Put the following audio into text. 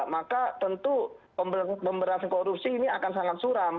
maka tentu pemberantasan korupsi ini akan sangat suram